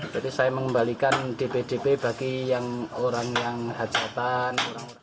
jadi saya mengembalikan dp dp bagi orang yang hajatan